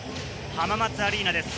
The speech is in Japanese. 浜松アリーナです。